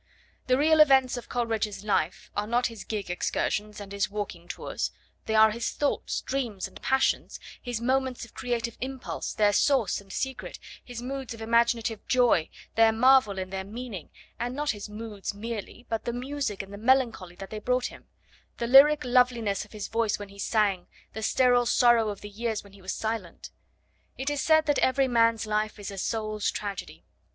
The real events of Coleridge's life are not his gig excursions and his walking tours; they are his thoughts, dreams and passions, his moments of creative impulse, their source and secret, his moods of imaginative joy, their marvel and their meaning, and not his moods merely but the music and the melancholy that they brought him; the lyric loveliness of his voice when he sang, the sterile sorrow of the years when he was silent. It is said that every man's life is a Soul's Tragedy.